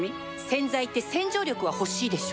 洗剤って洗浄力は欲しいでしょ